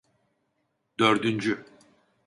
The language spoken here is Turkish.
Dördüncü.